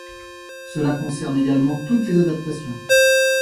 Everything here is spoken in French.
Cela concerne également toutes les adaptations.